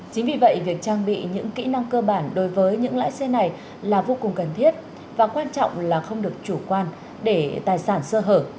chính vì vậy việc trang bị những kỹ năng cơ bản đối với những lái xe này là vô cùng cần thiết và quan trọng là không được chủ quan để tài sản sơ hở